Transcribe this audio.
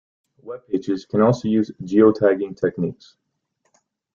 Web pages can also use geotagging techniques.